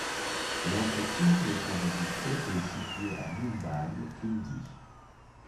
L'entreprise est enregistrée et située à Mumbai, Indie.